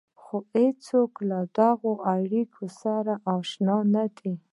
خو هېڅوک له دغو اړيکو سره اشنا نه دي.